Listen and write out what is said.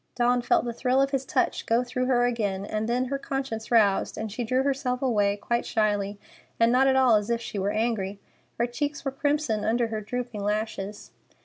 Dawn felt the thrill of his touch go through her again, and then her conscience roused, and she drew herself away, quite shyly, and not at all as if she were angry. Her cheeks were crimson under her drooping lashes.